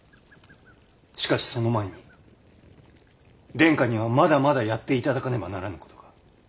しかしその前に殿下にはまだまだやっていただかねばならぬことが。